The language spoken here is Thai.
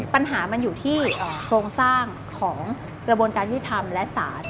ปัญหามันอยู่ที่โครงสร้างของกระบวนการยุทธรรมและศาล